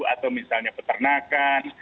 atau misalnya peternakan